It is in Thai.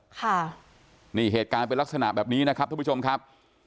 ค่ะนี่เหตุการณ์เป็นลักษณะแบบนี้นะครับทุกผู้ชมครับ